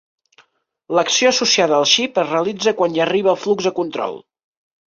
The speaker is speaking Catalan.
L'acció associada al xip es realitza quan hi arriba el flux de control.